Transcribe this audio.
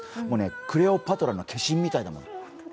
もうね、クレオパトラの化身みたいだもん。